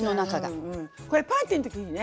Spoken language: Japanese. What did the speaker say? これパーティーの時にいいね。